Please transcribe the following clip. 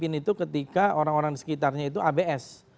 biasanya itu yang mimpin itu ketika orang orang di sekitarnya itu abs